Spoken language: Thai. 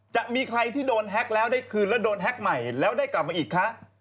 จะมีใครที่โดนแฮ็กแล้วได้คืนแล้วโดนแฮ็กใหม่แล้วได้กลับมาอีกคะ